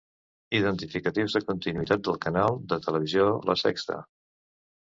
Identificatius de continuïtat del canal de televisió la Sexta.